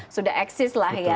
sudah eksis lah ya